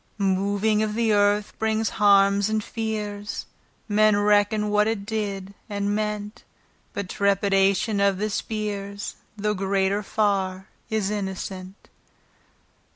Moving of th' earth brings harmes and feares, Men reckon what it did and meant, But trepidation of the speares, Though greater farre, is innocent.